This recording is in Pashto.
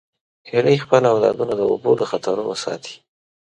هیلۍ خپل اولادونه د اوبو له خطرونو ساتي